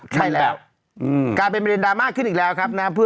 ใช่แล้วกลายเป็นประเด็นดราม่าขึ้นอีกแล้วครับนะ